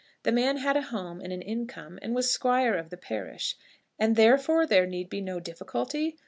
The man had a home and an income, and was Squire of the parish; and therefore there need be no difficulty!